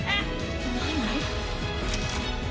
何？